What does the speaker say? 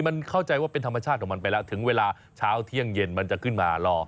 มันเข้าใจว่าเป็นธรรมชาติของมันไปแล้วถึงเวลาเช้าเที่ยงเย็นมันจะขึ้นมารอ